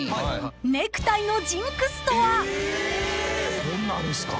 ［ネクタイのジンクスとは？］